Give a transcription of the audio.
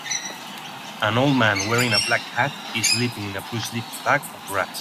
An old man wearing a black hat is sleeping in a blue sleeping bag on grass.